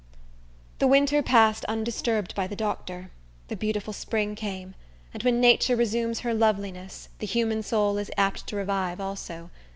The winter passed undisturbed by the doctor. The beautiful spring came; and when Nature resumes her loveliness, the human soul is apt to revive also.